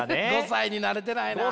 ５歳になれてないな。